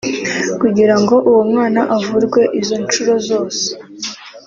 Kugira ngo uwo mwana avurwe izo nshuro zose